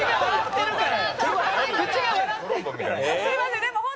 すみません。